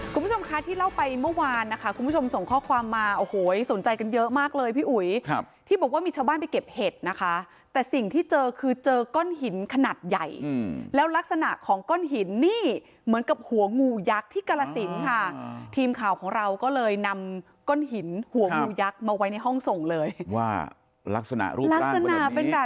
คุณผู้ชมคะที่เล่าไปเมื่อวานนะคะคุณผู้ชมส่งข้อความมาโอ้โหสนใจกันเยอะมากเลยพี่อุ๋ยครับที่บอกว่ามีชาวบ้านไปเก็บเห็ดนะคะแต่สิ่งที่เจอคือเจอก้อนหินขนาดใหญ่แล้วลักษณะของก้อนหินนี่เหมือนกับหัวงูยักษ์ที่กรสินค่ะทีมข่าวของเราก็เลยนำก้อนหินหัวงูยักษ์มาไว้ในห้องส่งเลยว่าลักษณะรูปลักษณะเป็นแบบ